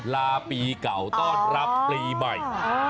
ลาปีเก่าต้อนรับปีใหม่